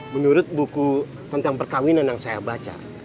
menurut buku tentang perkawinan yang saya baca